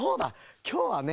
きょうはね